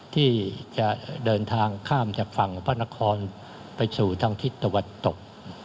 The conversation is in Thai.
ที่จะเดินทางข้ามจากฝั่งพระนครไปสู่ทางทิศตะวันตก